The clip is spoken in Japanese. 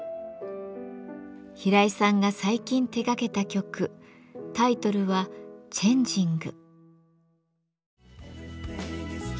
平井さんが最近手がけた曲タイトルは「Ｃｈａｎｇｉｎｇ」。